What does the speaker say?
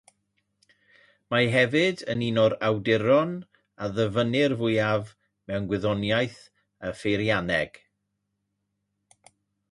Mae hefyd yn un o'r awduron a ddyfynnir fwyaf mewn gwyddoniaeth a pheirianneg.